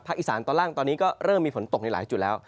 อีสานตอนล่างตอนนี้ก็เริ่มมีฝนตกในหลายจุดแล้ว